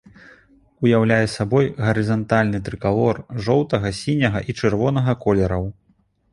Уяўляе сабой гарызантальны трыкалор жоўтага, сіняга і чырвонага колераў.